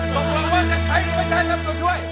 ตกลงว่าจะใช้หรือไม่ได้รับตัวช่วย